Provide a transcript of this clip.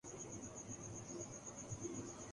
سحری سے پہلے قرآن مجید کھولا سورہ بقرہ سامنے تھی۔